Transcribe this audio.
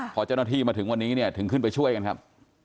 พอเจ้าหน้าที่มาถึงวันนี้เนี่ยถึงขึ้นไปช่วยกันครับ